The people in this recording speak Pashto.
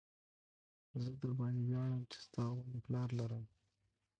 زه درباندې وياړم چې ستا غوندې پلار لرم.